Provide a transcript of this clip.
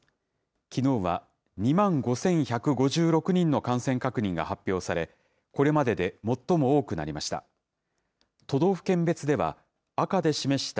きのうは２万５１５６人の感染確認が発表され、これまでで最も多くなりました。